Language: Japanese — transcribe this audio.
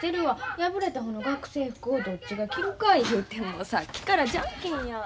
破れた方の学生服をどっちが着るかいうてさっきからジャンケンや。